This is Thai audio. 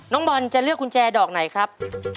น้องบอลจะเลือกกุญแจดอกไหนครับ